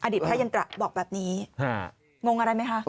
พระยันตระบอกแบบนี้งงอะไรไหมคะ